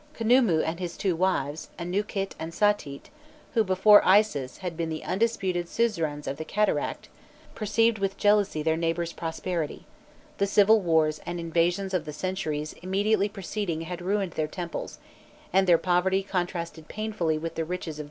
Khnûmû and his two wives, Anûkit and Satît, who, before Isis, had been the undisputed suzerains of the cataract, perceived with jealousy their neighbour's prosperity: the civil wars and invasions of the centuries immediately preceding had ruined their temples, and their poverty contrasted painfully with the riches of the new comer.